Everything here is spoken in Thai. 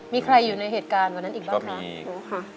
มีใครอยู่ในเหตุการณ์วันนั้นอีกบ้างคะรู้ค่ะ